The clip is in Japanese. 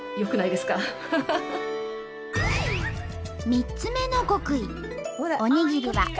３つ目の極意。